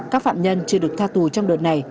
các phạm nhân chưa được tha tù trong đợt này